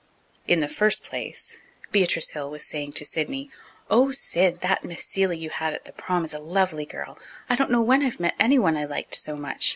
In the first place, Beatrice Hill was saying to Sidney, "Oh, Sid, that Miss Seeley you had at the prom is a lovely girl. I don't know when I've met anyone I liked so much.